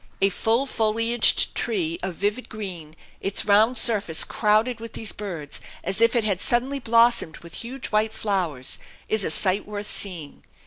A full foliaged tree of vivid green, its round surface crowded with these birds, as if it had suddenly blossomed with huge white flowers, is a sight worth seeing.